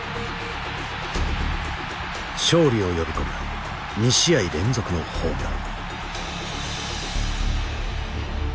勝利を呼び込む２試合連続のホームラン。